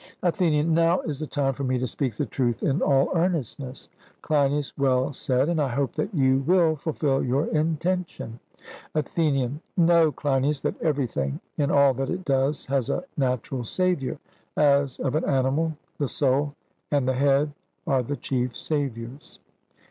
ATHENIAN: Now is the time for me to speak the truth in all earnestness. CLEINIAS: Well said, and I hope that you will fulfil your intention. ATHENIAN: Know, Cleinias, that everything, in all that it does, has a natural saviour, as of an animal the soul and the head are the chief saviours.